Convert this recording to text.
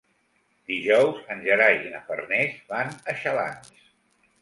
Dijous en Gerai i na Farners van a Xalans.